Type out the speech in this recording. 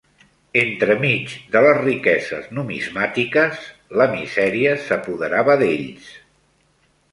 Entremig de les riqueses numismàtiques, la misèria s'apoderava d'ells